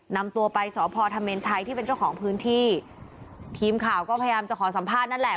นำตัวไปสพธเมนชัยที่เป็นเจ้าของพื้นที่ทีมข่าวก็พยายามจะขอสัมภาษณ์นั่นแหละ